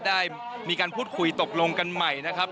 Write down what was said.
ได้มีการพูดคุยตกลงกันใหม่นะครับ